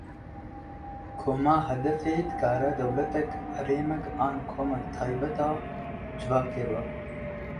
Koma hedefê dikare dewletek, herêmek an komeke taybet a civakê be.